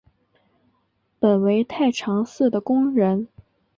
本为太常寺的工人。